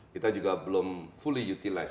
kita juga belum fully utilize